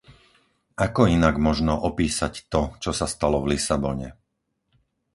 Ako inak možno opísať to, čo sa stalo v Lisabone?